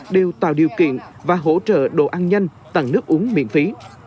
đều tạo điều kiện và hỗ trợ đồ ăn nhanh tặng nước uống miễn phí